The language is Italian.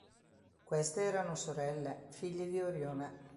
Queste erano sorelle, figlie di Orione.